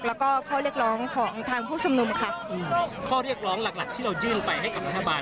แล้วก็ข้อเรียกร้องของทางผู้ชุมนุมค่ะอืมข้อเรียกร้องหลักหลักที่เรายื่นไปให้กับรัฐบาล